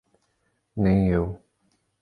Nem eu